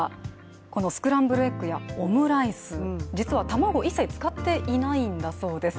このスクランブルエッグやオムライス、実は卵を一切使っていないんだそうです。